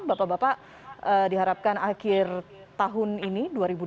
bapak bapak diharapkan akhir tahun ini dua ribu dua puluh